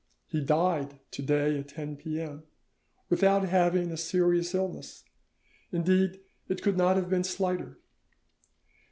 He died to day at 10 p.m. without having a serious illness, indeed it could not have been slighter.